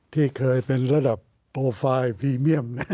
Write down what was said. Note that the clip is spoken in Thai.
ที่เคยเป็นระดับโปรไฟล์พรีเมียม